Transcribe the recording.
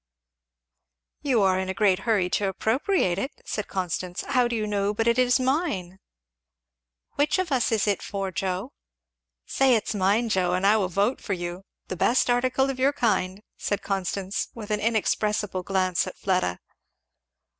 "You are in a great hurry to appropriate it," said Constance, "how do you know but it is mine?" "Which of us is it for, Joe?" "Say it is mine, Joe, and I will vote you the best article of your kind!" said Constance, with an inexpressible glance at Fleda.